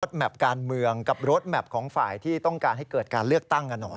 แมพการเมืองกับรถแมพของฝ่ายที่ต้องการให้เกิดการเลือกตั้งกันหน่อย